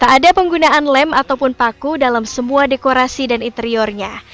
tak ada penggunaan lem ataupun paku dalam semua dekorasi dan interiornya